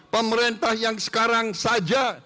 pemerintah yang sekarang saja